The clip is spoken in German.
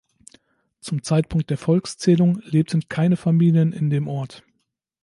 Zum Zeitpunkt der Volkszählung lebten keine Familien in dem Ort.